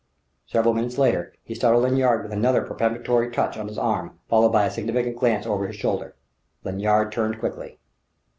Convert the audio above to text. Several minutes later, he startled Lanyard with another peremptory touch on his arm followed by a significant glance over his shoulder. Lanyard turned quickly.